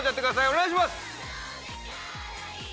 お願いします！